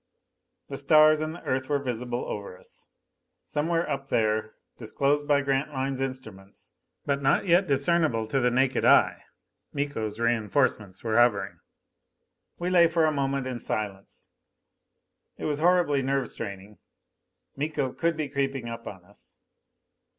The stars and the Earth were visible over us. Somewhere up there, disclosed by Grantline's instruments but not yet discernible to the naked eye, Miko's reinforcements were hovering. We lay for a moment in silence. It was horribly nerve straining. Miko could be creeping up on us.